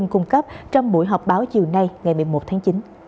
cung cấp trong buổi họp báo chiều nay ngày một mươi một tháng chín